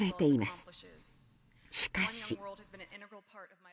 しかし。